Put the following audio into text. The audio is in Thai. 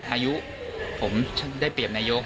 อายุผมได้เปรียบนายก